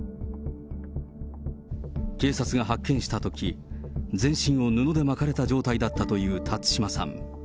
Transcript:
警察が発見したとき、全身を布で巻かれた状態だったという辰島さん。